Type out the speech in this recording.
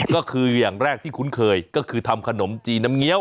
ก็คืออย่างแรกที่คุ้นเคยก็คือทำขนมจีนน้ำเงี้ย